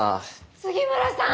杉村さん！